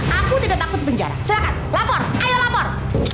aku tidak takut penjara silahkan lapor ayo lapor